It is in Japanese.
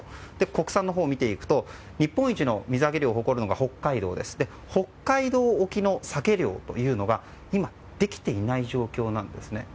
国産を見ていくと日本一の水揚げを誇るのが北海道で北海道沖のサケ漁が今、できていない状況なんです。